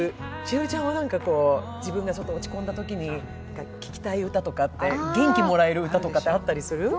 栞里ちゃんは自分が落ち込んだときに聴きたい歌とか元気をもらえる曲ってあったりする？